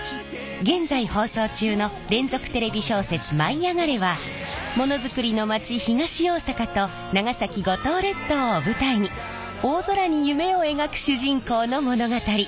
現在放送中の連続テレビ小説「舞いあがれ！」はものづくりの町東大阪と長崎五島列島を舞台に大空に夢を描く主人公の物語！